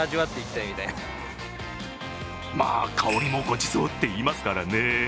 香りもごちそうっていいますからね。